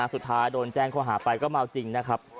สุดท้ายโดนแจ้งข้อหาไปก็เมาจริงนะครับ